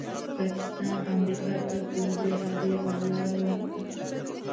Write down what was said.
پاکستان امریکا ته پوځي هډې او لاره ورکړه.